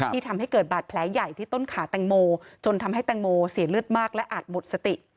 ทำให้เกิดบาดแผลใหญ่ที่ต้นขาแตงโมจนทำให้แตงโมเสียเลือดมากและอาจหมดสติ